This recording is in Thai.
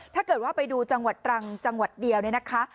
ถ้าเกิดว่าไปดูจังหวัดตรังจังหวัดเดียวเนี่ยนะคะ